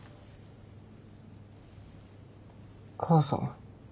母さん？